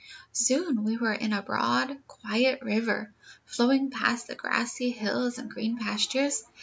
"] "Soon we were in a broad, quiet river, flowing past the grassy hills and green pastures.